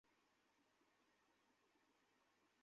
ভালো - বাচ্চাদের কি অবস্থা?